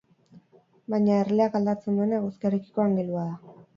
Baina erleak aldatzen duena eguzkiarekiko angelua da.